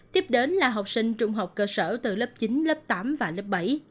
tiếp đến là học sinh trung học cơ sở từ lớp chín lớp tám và lớp bảy